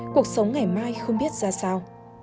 cuộc sống ngày mai không biết ra sao